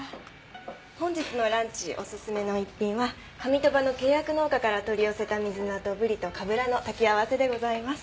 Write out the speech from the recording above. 本日のランチお薦めの１品は上鳥羽の契約農家から取り寄せたミズナとブリとカブラの炊き合わせでございます。